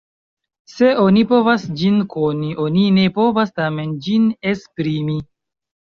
Se oni povas ĝin koni, oni ne povas tamen ĝin esprimi.